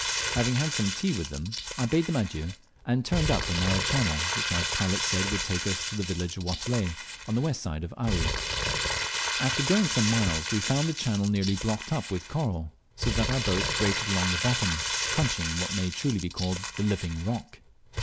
Having had some tea with thorn, I bade them adieu, and turned up a narrow channel which our pilot said would take us to the village of Watelai, on the west side of Are. After going some miles we found the channel nearly blocked up with coral, so that our boat grated along the bottom, crunching what may truly be called the living rock.